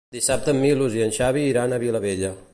Dissabte en Milos i en Xavi iran a la Vilavella.